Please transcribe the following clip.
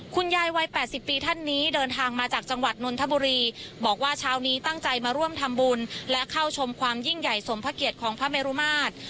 คุณยายวัย๘๐ปีท่านนี้เดินทางมาจากจังหวัดนนทบุรีบอกว่าเช้านี้ตั้งใจมาร่วมทำบุญและเข้าชมความยิ่งใหญ่สมพระเกียรติของพระเมรุมาตร